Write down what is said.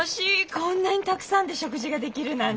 こんなにたくさんで食事ができるなんて。